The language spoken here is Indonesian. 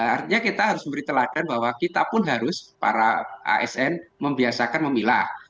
artinya kita harus memberi teladan bahwa kita pun harus para asn membiasakan memilah